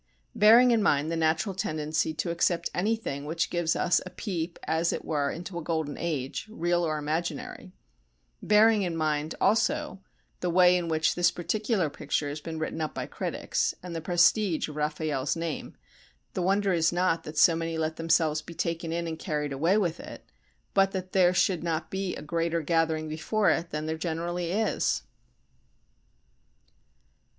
Bearing in mind the natural tendency to accept anything which gives us a peep as it were into a golden age, real or imaginary, bearing in mind also the way in which this particular picture has been written up by critics, and the prestige of Raffaelle's name, the wonder is not that so many let themselves be taken in and carried away with it but that there should not be a greater gathering before it than there generally is.